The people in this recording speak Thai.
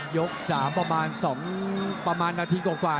ยก๓ประมาณ๒ประมาณนาทีกว่า